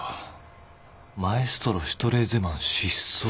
「マエストロシュトレーゼマン失踪。